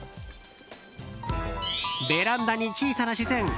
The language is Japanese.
ベランダに小さな自然！